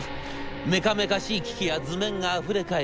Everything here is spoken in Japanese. メカメカしい機器や図面があふれかえる